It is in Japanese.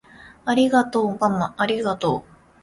ありがとうままありがとう！